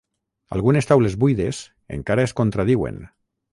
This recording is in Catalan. Algunes taules buides encara es contradiuen.